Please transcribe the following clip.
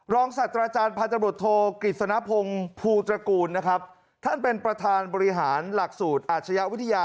ศาสตราจารย์พันธบรวจโทกฤษณพงศ์ภูตระกูลนะครับท่านเป็นประธานบริหารหลักสูตรอาชญาวิทยา